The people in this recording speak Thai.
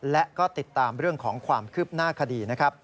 และก็ติดตามเรื่องของความคืบหน้าคดีนะครับ